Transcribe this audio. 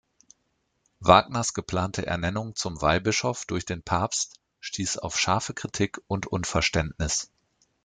Wagners geplante Ernennung zum Weihbischof durch den Papst stieß auf scharfe Kritik und Unverständnis.